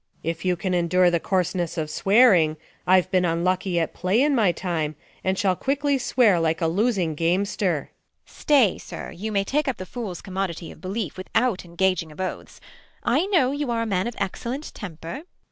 If you can endure the coarseness of swearing ; I've been unlucky at play in my time, And shall quickly swear like a losing gamester. Beat. Stay, sir ! you may take up the fool's commodity Of belief, without engaging of oaths : I know you are a man of excellent temper.